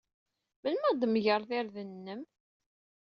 Melmi ad tmegred irden-nnem?